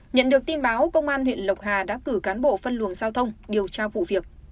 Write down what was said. nhận được tin báo công an huyện lộc hà đã cử cán bộ phân luồng giao thông điều tra vụ việc